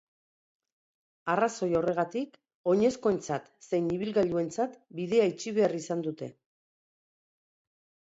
Arrazoi horregatik, oinezkoentzat zein ibilgailuentzat bidea itxi behar izan dute.